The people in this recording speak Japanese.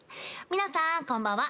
皆さんこんばんは。